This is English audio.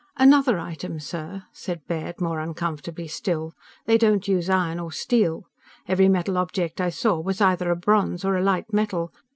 "Another item, sir," said Baird more uncomfortably still. "They don't use iron or steel. Every metal object I saw was either a bronze or a light metal.